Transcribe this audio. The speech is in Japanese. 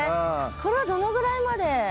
これはどのぐらいまで？